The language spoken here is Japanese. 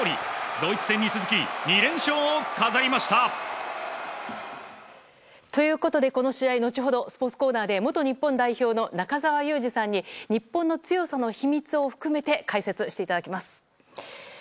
ドイツ戦に続き、２連勝を飾りまということで、この試合、後ほどスポーツコーナーで、元日本代表の中澤佑二さんに、日本の強さの秘密を含めて解説していただきます。